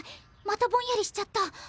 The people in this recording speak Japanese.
またぼんやりしちゃった！